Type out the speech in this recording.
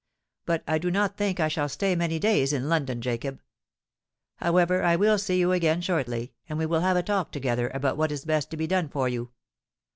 But I do not think I shall stay many days in London, Jacob. However, I will see you again shortly—and we will have a talk together about what is best to be done for you.